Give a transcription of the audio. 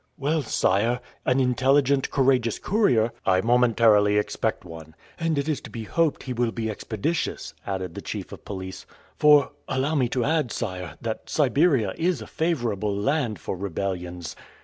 "Well, sire, an intelligent, courageous courier..." "I momentarily expect one." "And it is to be hoped he will be expeditious," added the chief of police; "for, allow me to add, sire, that Siberia is a favorable land for rebellions."